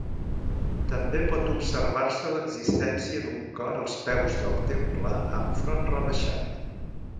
També pot observar-se l'existència d'un cor als peus del temple, amb front rebaixat.